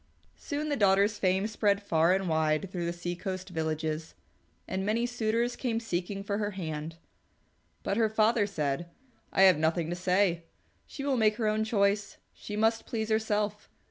Soon the daughter's fame spread far and wide through the sea coast villages, and many suitors came seeking for her hand. But her father said, "I have nothing to say. She will make her own choice. She must please herself.